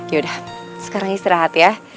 yaudah sekarang istirahat ya